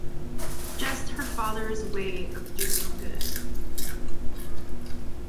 Just her father's way of doing good.